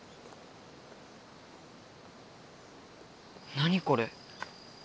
何これ？